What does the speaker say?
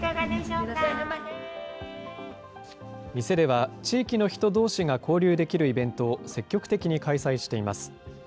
店では地域の人どうしが交流できるイベントを積極的に開催しています。